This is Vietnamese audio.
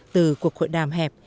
từ cuộc hội đàm hẹp